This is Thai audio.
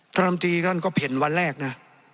ท่านธรรมดีท่านก็เห็นวันแรกนะ